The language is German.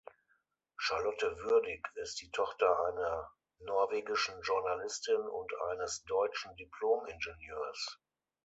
Charlotte Würdig ist die Tochter einer norwegischen Journalistin und eines deutschen Diplom-Ingenieurs.